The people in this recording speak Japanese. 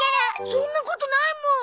そんなことないもん！